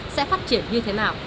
sẽ phát triển như thế nào